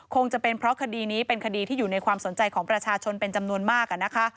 คงจะเป็นเพราะคดีนี้เป็นคดีที่อยู่ในความสนใจของประชาชนเป็นจำนวนมากนะคะ